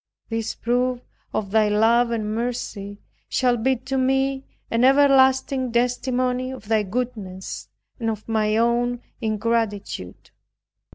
This proof of Thy love and mercy, shall be to me an everlasting testimony of thy goodness and of my own ingratitude.